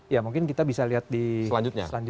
ya mungkin kita bisa lihat di selanjutnya